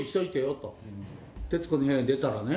『徹子の部屋』に出たらね